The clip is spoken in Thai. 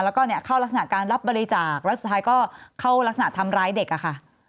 แล้วก็เข้ารักษณะการรับบริจาคแล้วสุดท้ายก็เข้ารักษณะทำร้ายเด็กอะค่ะ